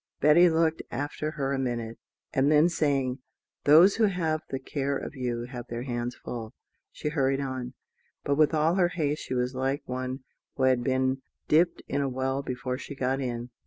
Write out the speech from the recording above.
Betty looked after her a minute, and then saying, "Those who have the care of you have their hands full," she hurried on; but with all her haste she was like one who had been dipped in a well before she got in.